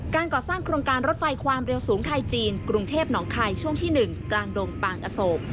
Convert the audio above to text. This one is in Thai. ก่อสร้างโครงการรถไฟความเร็วสูงไทยจีนกรุงเทพหนองคายช่วงที่๑กลางดงปางอโศก